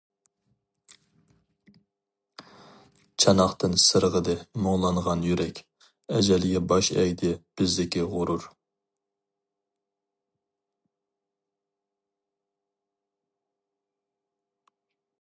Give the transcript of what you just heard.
چاناقتىن سىرغىدى مۇڭلانغان يۈرەك، ئەجەلگە باش ئەگدى بىزدىكى غۇرۇر.